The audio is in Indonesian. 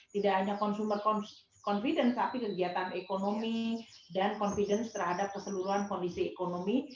tidak hanya consumer confidence tapi kegiatan ekonomi dan confidence terhadap keseluruhan kondisi ekonomi